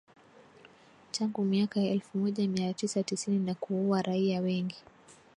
Tangu miaka ya elfu moja mia tisa tisini na kuua raia wengi.